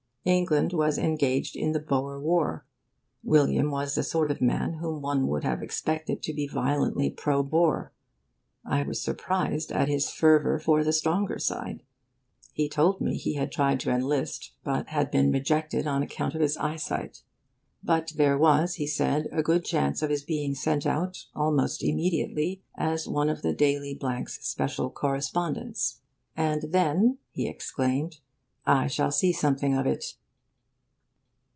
England was engaged in the Boer War. William was the sort of man whom one would have expected to be violently Pro Boer. I was surprised at his fervour for the stronger side. He told me he had tried to enlist, but had been rejected on account of his eyesight. But there was, he said, a good chance of his being sent out, almost immediately, as one of the Daily 's special correspondents. 'And then,' he exclaimed, 'I shall see something of it.